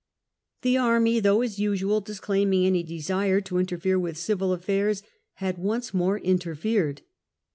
The Army, though as usual disclaiming any desire to interfere with civil affairs, had once more interfered.